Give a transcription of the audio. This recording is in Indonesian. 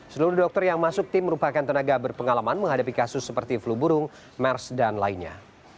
seluruh dokter yang masuk tim merupakan tenaga berpengalaman menghadapi kasus seperti flu burung mers dan lainnya